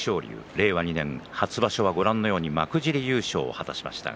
令和２年、初場所は幕尻優勝を果たしました。